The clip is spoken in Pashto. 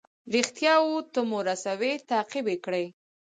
ریښتیاوو ته مو رسوي تعقیب یې کړئ.